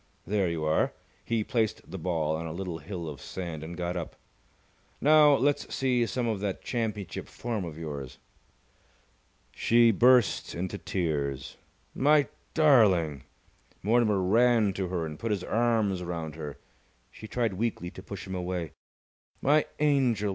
There you are!" He placed the ball on a little hill of sand, and got up. "Now let's see some of that championship form of yours!" She burst into tears. "My darling!" Mortimer ran to her and put his arms round her. She tried weakly to push him away. "My angel!